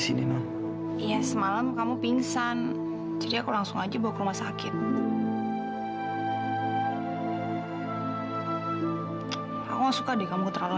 sini namun iya semalam kamu pingsan jadi aku langsung aja bawa ke rumah sakit aku suka dikamu terlalu